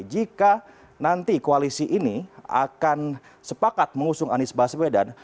jika nanti koalisi ini akan sepakat mengusung anies baswedan